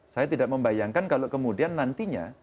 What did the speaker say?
saya tidak membayangkan kalau kemudian nantinya